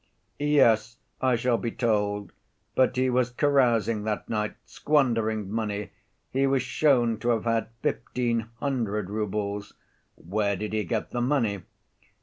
"Yes, I shall be told, but he was carousing that night, squandering money; he was shown to have had fifteen hundred roubles—where did he get the money?